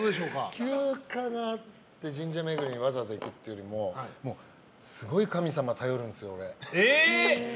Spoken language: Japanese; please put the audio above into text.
休暇があって、神社巡りにわざわざ行くというよりもすごい神様に頼るんです、俺。